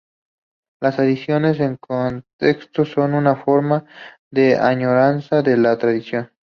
Las adicciones, en este contexto, son una forma de añoranza de la tradición.